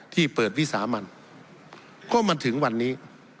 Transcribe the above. ที่เปิดวิสามันก็มาถึงวันนี้